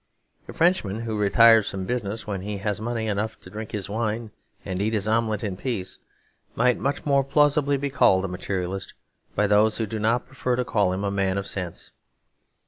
The Frenchman who retires from business when he has money enough to drink his wine and eat his omelette in peace might much more plausibly be called a materialist by those who do not prefer to call him a man of sense.